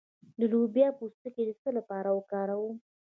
د لوبیا پوستکی د څه لپاره وکاروم؟